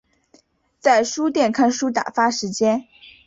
在书店看书打发时间